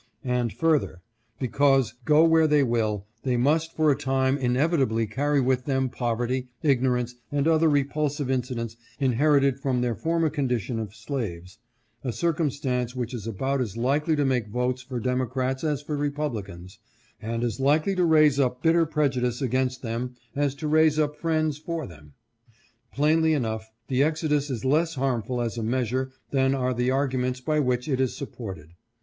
And further, because go where they will, they must for a time inevitably carry with them poverty, ig norance, and other repulsive incidents inherited from their former con dition of slaves — a circumstance which is about as likely to make votes for Democrats as for Republicans, and as likely to raise up bitter preju dice against them as to raise up friends for them. ... "Plainly enough, the exodus is less harmful as a measure than are the arguments by which it is supported.